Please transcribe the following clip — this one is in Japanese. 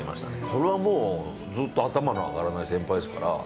それはもう、ずっと頭が上がらない先輩ですから。